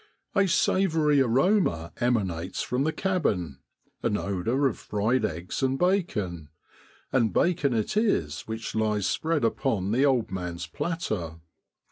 A savoury aroma emanates from the cabin, an odour of fried eggs and bacon, and bacon it is which lies spread upon the old man's platter.